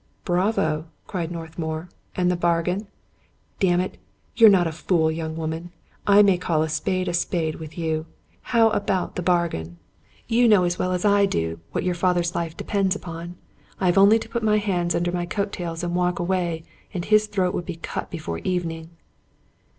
" Bravo !" cried Northmour. " And the bargain? D — ^n it, you're not a fool, young woman; I may call a spade a spade with you. How about the bargain? You know as i86 Robert Louis Stevenson well as I do what your father's life depends upon. I have only to put my hands under my coat tails and walk away, and his throat would be cut before the evening."